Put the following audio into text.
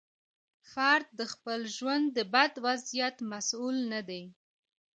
فرد د خپل ژوند د بد وضعیت مسوول نه دی.